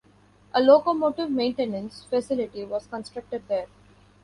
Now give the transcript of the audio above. A locomotive maintenance facility was constructed there.